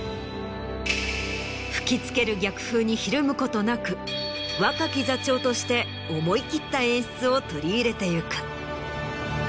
吹き付ける逆風にひるむことなく若き座長として思い切った演出を取り入れていく。